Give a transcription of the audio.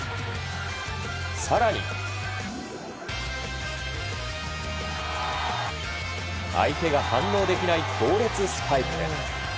更に、相手が反応できない強烈なスパイク。